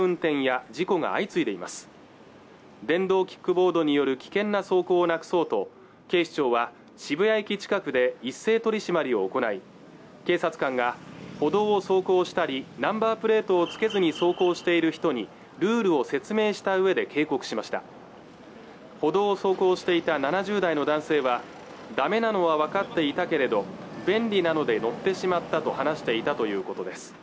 電動キックボードによる危険な走行をなくそうと警視庁は渋谷駅近くで一斉取り締まりを行い警察官が歩道を走行したりナンバープレートを付けずに走行している人にルールを説明したうえで警告しました歩道を走行していた７０代の男性はダメなのは分かったけれど便利なので乗ってしまったと話していたということです